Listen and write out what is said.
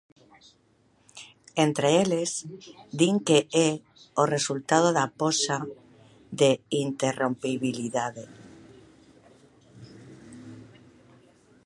Entre eles, din que é o resultado da poxa de interrompibilidade.